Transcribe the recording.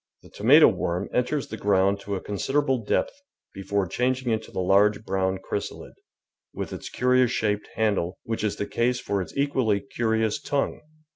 The tomato worm enters the ground to a con siderable depth before changing into the large brown chrysalid, with its curious shaped handle, which is the case for its equally curious tongue.